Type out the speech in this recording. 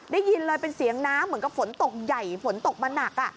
ได้ยินเลยเป็นเสียงน้ำเหมือนกับฝนตกใหญ่ฝนตกมาหนัก